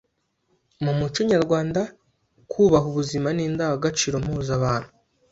Mu muco nyarwanda kubaha ubuzima ni indangagaciro mpuzabantu